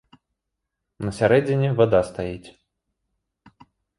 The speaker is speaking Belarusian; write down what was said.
На сярэдзіне вада стаіць.